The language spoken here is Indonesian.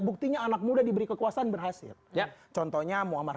buktinya anak muda diberi kekuasaan berhasil ya contohnya